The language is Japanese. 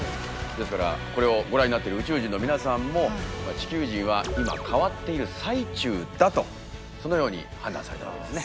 ですからこれをご覧になってる宇宙人の皆さんも地球人は今変わっている最中だとそのように判断されたわけですね。